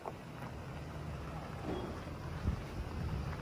সে আমাকে মানা করেছিল বলতে।